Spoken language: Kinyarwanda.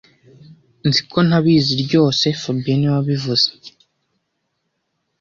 Nzi ko ntabizi ryose fabien niwe wabivuze